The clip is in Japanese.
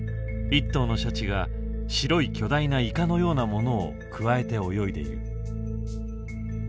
１頭のシャチが白い巨大なイカのようなものをくわえて泳いでいる。